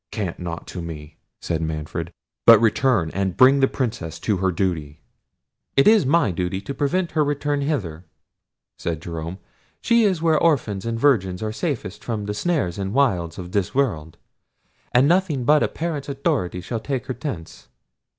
"Cant not to me," said Manfred, "but return and bring the Princess to her duty." "It is my duty to prevent her return hither," said Jerome. "She is where orphans and virgins are safest from the snares and wiles of this world; and nothing but a parent's authority shall take her thence."